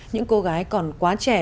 những cô gái còn quá trẻ